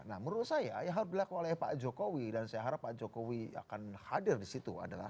nah menurut saya yang harus dilakukan oleh pak jokowi dan saya harap pak jokowi akan hadir di situ adalah